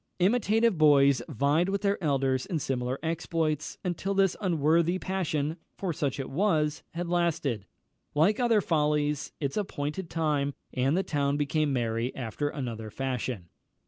Imitative boys vied with their elders in similar exploits, until this unworthy passion (for such it was) had lasted, like other follies, its appointed time, and the town became merry after another fashion.